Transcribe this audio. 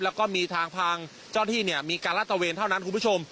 แล้วก็มีทางเจ้าหน้าที่มีการลาดตะเวนเท่านั้นคุณผู้ชม